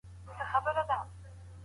په کور کي د زده کړي مخه نه ډب کېږي.